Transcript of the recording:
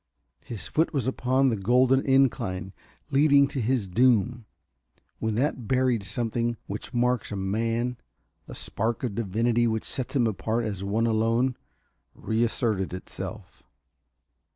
His foot was upon the golden incline leading to his doom, when that buried something which marks a man the spark of divinity which sets him apart as one alone reasserted itself.